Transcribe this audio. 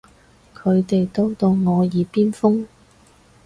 佢哋都當我耳邊風